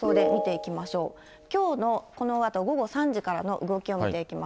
きょうのこのあと午後３時からの動きを見ていきます。